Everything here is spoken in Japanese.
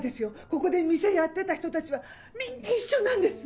ここで店やってた人たちはみんな一緒なんです！